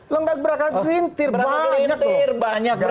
lo gak beragak rintir banyak